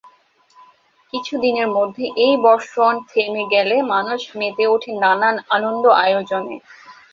কিছুদিনের মধ্যে সেই বর্ষণ থেমে গেলে মানুষ মেতে ওঠে নানান আনন্দ-আয়োজনে।